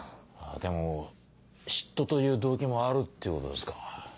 でも嫉妬という動機もあるっていうことですか。